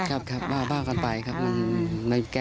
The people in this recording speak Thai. แต่คำถามพ่อใจก็ยังมี